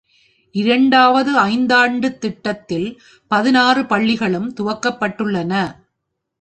இரண்டாவது ஐந்தாண்டுத் திட்டத்தில், பதினாறு பள்ளிகளும் துவக்கப்பட்டுள்ளன.